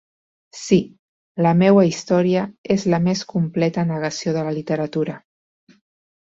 Sí, la meua història és la més completa negació de la literatura.